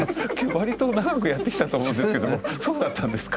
割と長くやってきたと思うんですけどもそうだったんですか？